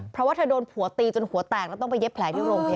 เพราะว่าเธอโดนผัวตีจนหัวแตกแล้วต้องไปเย็บแผลที่โรงพยาบาล